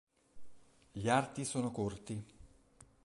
Gli arti sono corti.